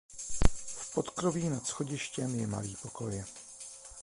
V podkroví nad schodištěm je malý pokoj.